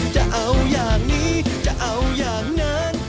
จะเอาอย่างนี้จะเอาอย่างนั้น